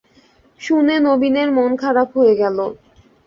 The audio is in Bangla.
শুনে নবীনের মন খারাপ হয়ে গেল।